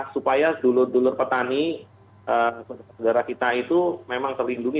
karena dulu dulu petani negara kita itu memang terlindungi